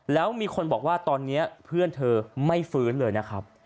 แล้วมีคนบอกว่าตอนนี้เพื่อนเธอไม่ฟื้นเลยนะครับ